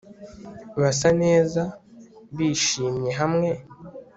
basa neza bishimye hamwe